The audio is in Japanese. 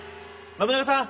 信長さん。